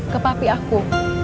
ke papi aku